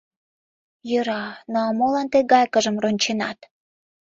— Йӧра; ну, а молан тый гайкыжым ронченат?